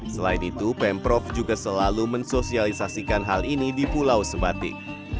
selain itu pemprov juga selalu mensosialisasikan hal ini di pulau sebatik